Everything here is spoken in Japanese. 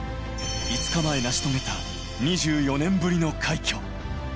５日前、成し遂げた２４年ぶりの快挙。